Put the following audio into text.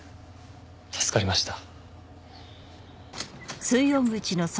助かりました。